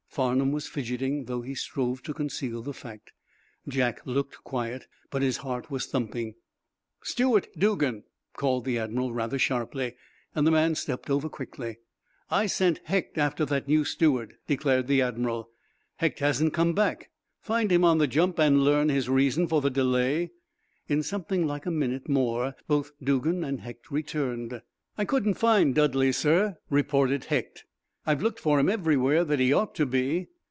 Farnum was fidgeting, though he strove to conceal the fact. Jack looked quiet, but his heart was thumping. "Steward Dugan!" called the admiral, rather sharply, and the man stepped over quickly. "I sent Hecht after that new steward," declared the admiral. "Hecht hasn't come back. Find him on the jump and learn his reason for the delay." In something like a minute more both Dugan and Hecht returned. "I couldn't find Dudley, sir," reported Hecht. "I've looked for him everywhere that he ought to be."